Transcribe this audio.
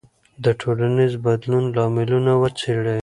د ټولنیز بدلون لاملونه وڅېړئ.